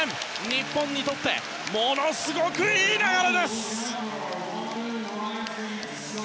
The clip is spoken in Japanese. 日本にとってものすごくいい流れです！